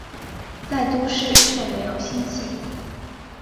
在都市却没有星星